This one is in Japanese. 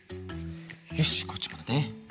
よしこっちもだね。